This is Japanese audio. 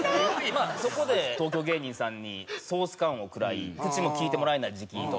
まあそこで東京芸人さんに総スカンを食らい口も利いてもらえない時期と。